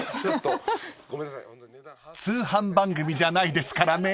［通販番組じゃないですからね］